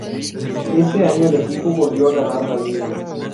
Ese año el equipo volvió a ganar la Liga.